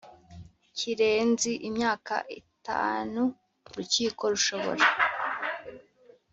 Kirenze imyaka itanu urukiko rushobora